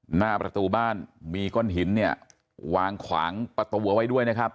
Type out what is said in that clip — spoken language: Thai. หน้าประตูบ้านมีก้อนหินเนี่ยวางขวางประตูเอาไว้ด้วยนะครับ